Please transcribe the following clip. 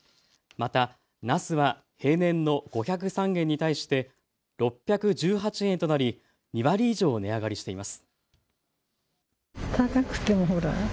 また、なすは平年の５０３円に対して６１８円となり２割以上、値上がりしています。